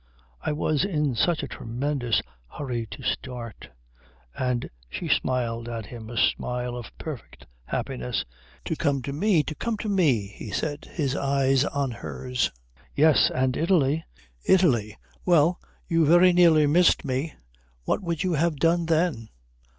I was in such a tremendous hurry to start." And she smiled at him a smile of perfect happiness. "To come to me. To come to me," he said, his eyes on hers. "Yes. And Italy." "Italy! Well, you very nearly missed me. What would you have done then?"